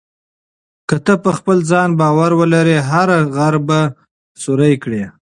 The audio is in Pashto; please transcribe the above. که ته په خپل ځان باور ولرې، هر غر به سوري کړې.